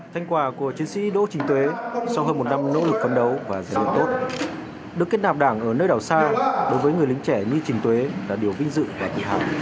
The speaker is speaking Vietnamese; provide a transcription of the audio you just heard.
thanh quả của chiến sĩ đỗ trình tuế sau hơn một năm nỗ lực phân đấu và giải đấu tốt được kết nạp đảng ở nơi đảo sa đối với người lính trẻ như trình tuế là điều vinh dự và kỳ hạ